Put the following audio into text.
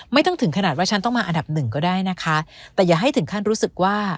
ไม่ต้องถึงขนาดว่าฉันต้องมาอันดับหนึ่งก็ได้นะคะแต่อย่าให้ถึงขั้นรู้สึกว่า